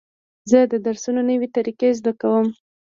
زه د درسونو نوې طریقې زده کوم.